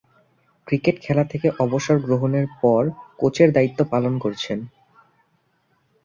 Cricket খেলা থেকে অবসর গ্রহণের পর কোচের দায়িত্ব পালন করছেন।